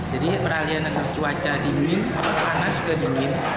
jadi peralian antara cuaca dingin sama panas ke dingin